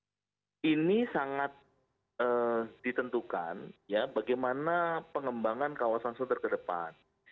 secara makronya ini sangat ditentukan bagaimana pengembangan kawasan sunter ke depan